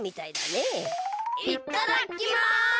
いっただっきます！